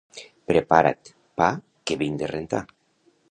Prepara't, pa, que vinc de rentar.